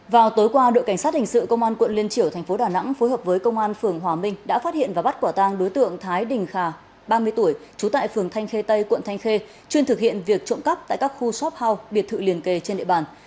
vào tối qua đội cảnh sát hình sự công an quận liên triểu thành phố đà nẵng phối hợp với công an phường hòa minh đã phát hiện và bắt quả tang đối tượng thái đình khà ba mươi tuổi trú tại phường thanh khê tây quận thanh khê chuyên thực hiện việc trộm cắp tại các khu shop house biệt thự liền kề trên địa bàn